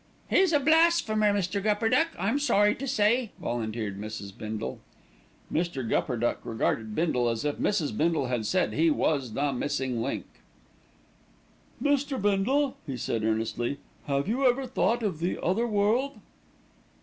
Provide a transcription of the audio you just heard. "He's a blasphemer, Mr. Gupperduck, I'm sorry to say," volunteered Mrs. Bindle. Mr. Gupperduck regarded Bindle as if Mrs. Bindle had said he was the "Missing Link." "Mr. Bindle," he said earnestly, "have you ever thought of the other world?"